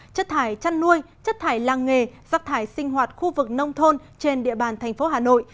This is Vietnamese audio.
chất thải chăn nuôi chất thải làng nghề rắc thải sinh hoạt khu vực nông thôn trên địa bàn thành phố hà nội